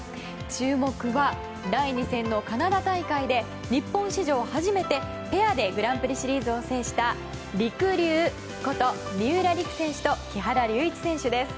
注目は、第２戦のカナダ大会で日本史上初めて、ペアでグランプリシリーズを制したりくりゅうこと三浦璃来選手と木原龍一選手です。